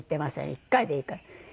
１回でいいから。